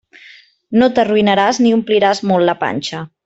No t'arruïnaràs ni ompliràs molt la panxa.